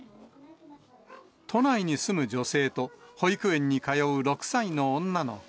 都内に住む女性と保育園に通う６歳の女の子。